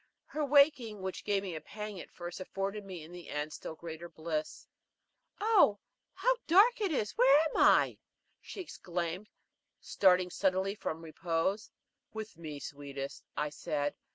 Her waking, which gave me a pang at first, afforded me in the end a still greater bliss. "Oh, how dark it is where am I?" she exclaimed, starting suddenly from repose. "With me, sweetest," I said.